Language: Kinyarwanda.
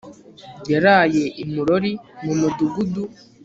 yaraye i murori mu mudugudu